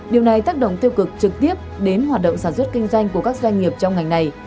điều này tác động tiêu cực trực tiếp đến hoạt động sản xuất kinh doanh của các doanh nghiệp trong ngành này